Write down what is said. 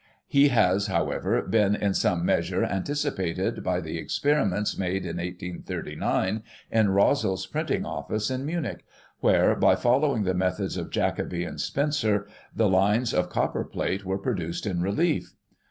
He has, however, been, in some measure, anticipated by the experiments made in 1839, in Rosel's printing office, in Munich ; where, by following the methods of Jacobi and Spencer, the lines of copperplate were produced in relief.